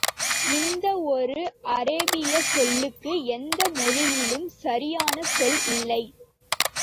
இந்த ஒரு அரேபியச் சொல்லுக்கு, எந்த மொழியிலும் சரியான சொல் இல்லை.